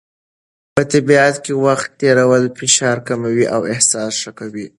په طبیعت کې وخت تېرول فشار کموي او احساس ښه کوي.